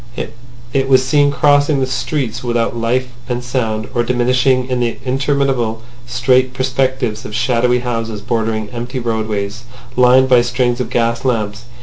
It was seen crossing the streets without life and sound, or diminishing in the interminable straight perspectives of shadowy houses bordering empty roadways lined by strings of gas lamps.